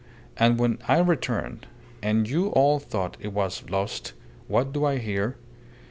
And when I returned, and you all thought it was lost, what do I hear?